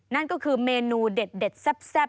นั่นก็คือเมนูเด็ดแซ่บ